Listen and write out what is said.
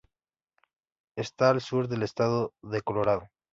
Está al sur del estado de Colorado.